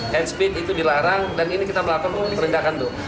hand speed itu dilarang dan ini kita melakukan perlindakan tuh